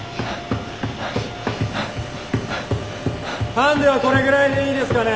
ハンデはこれぐらいでいいですかね。